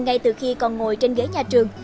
ngay từ khi còn ngồi trên ghế nhà trường